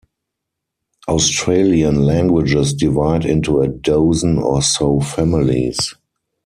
Australian languages divide into a dozen or so families.